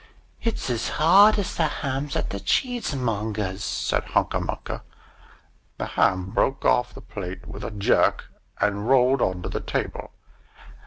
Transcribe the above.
"It's as hard as the hams at the cheesemonger's," said Hunca Munca. The ham broke off the plate with a jerk, and rolled under the table.